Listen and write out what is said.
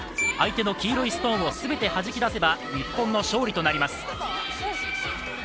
相手の黄色いストーンを全てはじき出せば、日本の勝利となります。